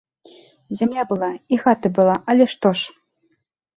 Зямля была, і хата была, але што ж!